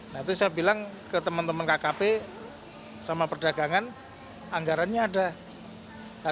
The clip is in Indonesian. nah itu saya bilang ke teman teman kkp sama perdagangan anggarannya ada